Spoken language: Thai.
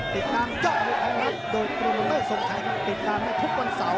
ติดตามเจ้าโดยตื่นเต้นส่งใหม่ติดตามทุกวันเสาร์